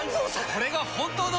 これが本当の。